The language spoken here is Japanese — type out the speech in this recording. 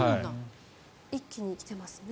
一気に来てますね。